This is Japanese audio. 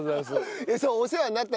お世話になった。